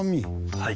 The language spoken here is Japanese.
はい。